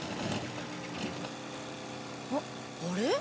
あっあれ？